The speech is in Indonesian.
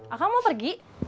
akang mau pergi